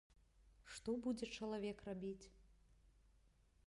Што будзе чалавек рабіць?